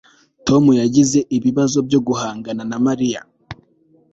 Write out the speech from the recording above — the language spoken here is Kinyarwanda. Tom yagize ibibazo byo guhangana na Mariya